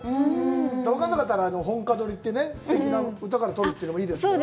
分からなかったら本歌取りって、すてきな歌から取るというのもいいですね。